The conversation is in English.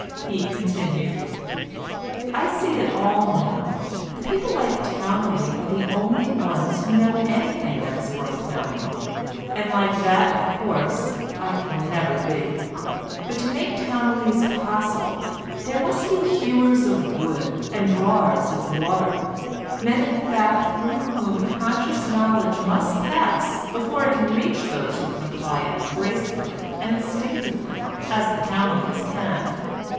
He continued— "I see it all now. The people like Towneley are the only ones who know anything that is worth knowing, and like that of course I can never be. But to make Towneleys possible there must be hewers of wood and drawers of water—men in fact through whom conscious knowledge must pass before it can reach those who can apply it gracefully and instinctively as the Towneleys can.